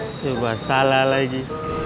siba salah lagi